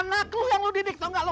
anak lu yang lu didik tau gak lu